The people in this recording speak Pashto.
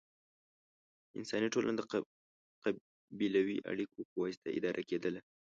انساني ټولنه د قبیلوي اړیکو په واسطه اداره کېدله.